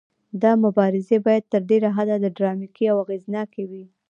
دا مبارزې باید تر ډیره حده ډراماتیکې او اغیزناکې وي.